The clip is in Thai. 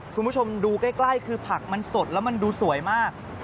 คุณผู้ชมดูใกล้คือผักมันสดแล้วมันดูสวยมาก